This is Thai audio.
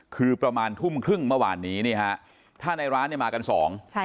คือประมาณทุ่มครึ่งเมื่อวานนี้ท่านร้านมากันสอง